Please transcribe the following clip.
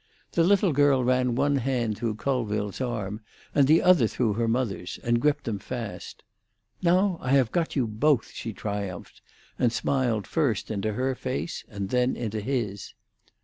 The little girl ran one hand through Colville's arm, and the other through her mother's, and gripped them fast. "Now I have got you both," she triumphed, and smiled first into her face, and then into his.